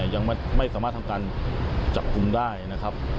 ยังไม่สามารถทำการจับกลุ่มได้นะครับ